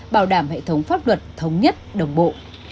bảo đảm hệ thống pháp luật thống nhất đồng bộ